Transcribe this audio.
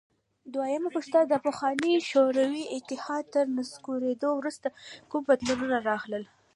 دویمه پوښتنه: د پخواني شوروي اتحاد تر نسکورېدو وروسته کوم بدلونونه راغلل؟